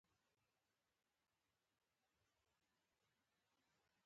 لکه له ګډوډ خوبه چې راويښ سې.